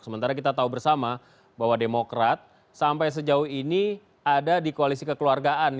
sementara kita tahu bersama bahwa demokrat sampai sejauh ini ada di koalisi kekeluargaan